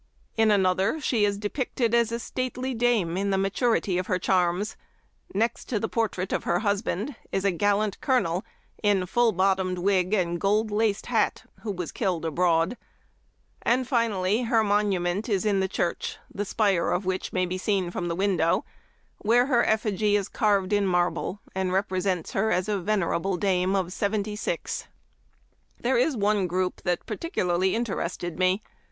In another she is depicted as a stately dame in the ma turity of her charms ; next to the portrait of her husband is a gallant colonel, in full bottomed wig and gold laced hat, who was killed abroad ; and, finally, her monument is in the church, the spire of which may be seen from the window, where her effigy is carved in marble, and repre sents her as a venerable dame of seventy six. " There is one group that particularly inter ested me.